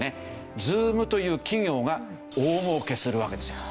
Ｚｏｏｍという企業が大儲けするわけですよ。